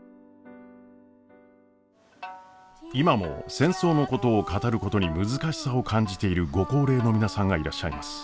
今も戦争のことを語ることに難しさを感じているご高齢の皆さんがいらっしゃいます。